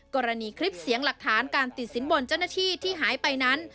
กรณีคลิปเสียงหลักฐานการติดสินบนเจ้าหน้าที่ที่หายไปนั้น